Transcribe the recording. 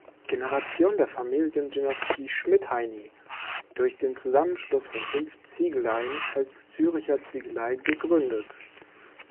Generation der Familiendynastie Schmidheiny, durch den Zusammenschluss von fünf Ziegeleien als Zürcher Ziegeleien gegründet.